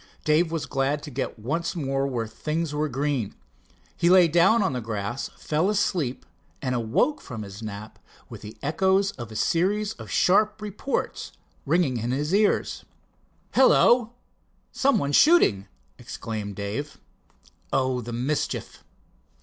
Dave was glad to get once more where things were green. He lay down on the grass, fell asleep, and awoke from his nap with the echoes of a series of sharp reports ringing in his ears. "Hello! some one shooting," exclaimed Dave. "Oh, the mischief!"